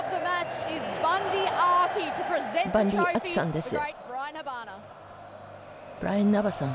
バンディー・アキさんです。